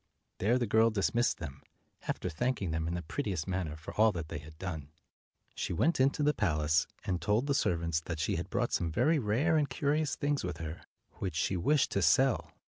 There the girl dismissed them, after thanking them in the prettiest manner for all that they had done. She went into the palace, and told the servants that she had brought some very rare and curious things with her, which she wished to sell.